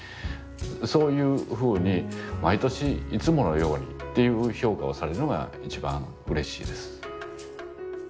そういうふうに毎年「いつものように」っていう評価をされるのが一番うれしいです。